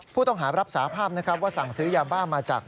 ผู้ต้องหารับสาภาพนะครับว่าสั่งซื้อยาบ้ามาจาก